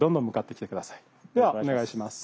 ではお願いします。